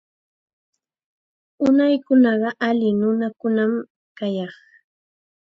Unaykunaqa alli nunakunam kayaq.